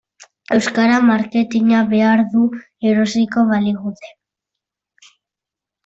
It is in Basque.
Euskarak marketina behar du erosiko badigute.